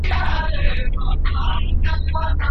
د پرمختګ امتیاز یوازي لایقو کسانو ته نه سي سپارل کېدلای.